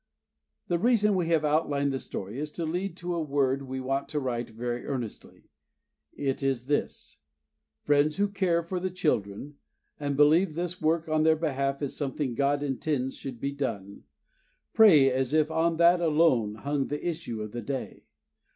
The reason we have outlined the story is to lead to a word we want to write very earnestly; it is this: Friends who care for the children, and believe this work on their behalf is something God intends should be done, "pray as if on that alone hung the issue of the day."